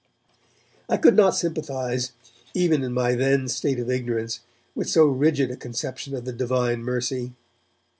I could not sympathize, even in my then state of ignorance, with so rigid a conception of the Divine mercy.